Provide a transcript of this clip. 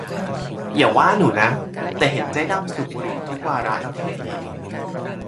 อย่าว่าหนูนะ แต่เห็นเจ๊ดำสูบบุหรี่ทุกวาระแล้วเท่ดี !